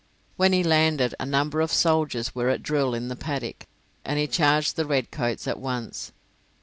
When he landed, a number of soldiers were at drill in the paddock, and he charged the redcoats at once.